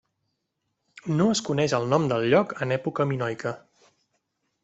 No es coneix el nom del lloc en època minoica.